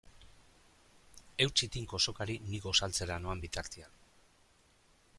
Eutsi tinko sokari ni gosaltzera noan bitartean.